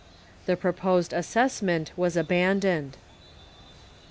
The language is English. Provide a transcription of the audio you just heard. The proposed assessment was abandoned.